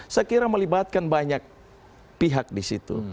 saya kira melibatkan banyak pihak disitu